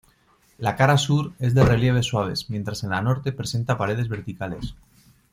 La cara sur es de relieves suaves mientras en la norte presenta paredes verticales.